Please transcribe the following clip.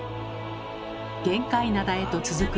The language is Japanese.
玄界灘へと続く